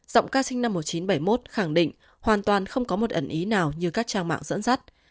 giọng ca sinh năm một nghìn chín trăm bảy mươi một khẳng định hoàn toàn không có một ẩn ý nào như các trang mạng dẫn dắt